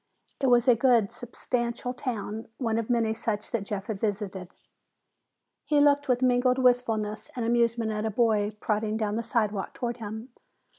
It was a good, substantial town, one of many such that Jeff had visited. He looked with mingled wistfulness and amusement at a boy plodding down the sidewalk toward him.